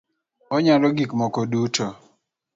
Onyalo gik moko duto